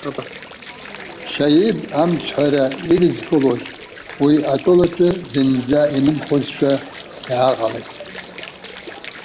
Шьаиб амцҳәара идызкылоз, уи атәылаҿы зынӡа инымхозшәа иааҟалеит.